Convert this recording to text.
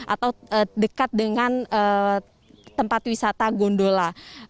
atau dekat dengan tempat wisata gondola